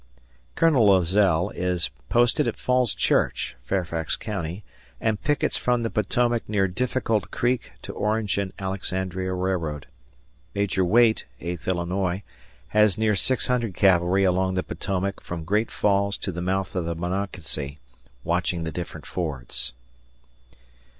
Colonel Lazelle is posted at Falls Church (Fairfax County) and pickets from the Potomac near Difficult Creek to Orange and Alexandria Railroad. Major Waite (Eighth Illinois) has near 600 cavalry along the Potomac from Great Falls to the mouth of the Monocacy watching the different fords.